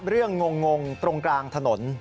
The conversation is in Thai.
เรื่องงงตรงกลางถนน